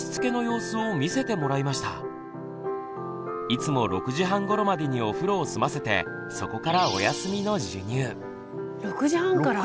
いつも６時半ごろまでにお風呂を済ませてそこから６時半から？